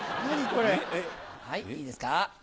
はいいいですか？